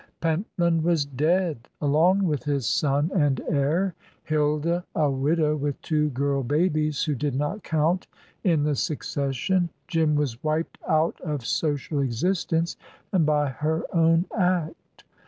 Pentland was dead, along with his son and heir; Hilda, a widow with two girl babies, who did not count in the succession; Jim was wiped out of social existence, and by her own act.